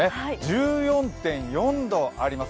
１４．４度あります。